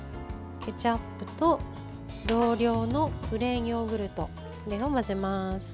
ケチャップと同量のプレーンヨーグルトを混ぜます。